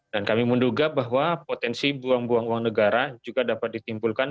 dan kami menduga bahwa potensi buang buang uang negara juga dapat ditimpulkan